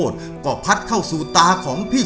ควันมันก็จะเข้าตามาประมาณ๒๐ปี